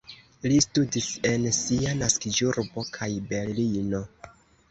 Li studis en sia naskiĝurbo kaj Berlino.